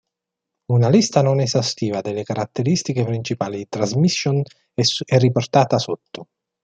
Una lista non esaustiva delle caratteristiche principali di Transmission è riportata sotto.